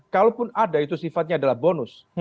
kalaupun ada itu sifatnya adalah bonus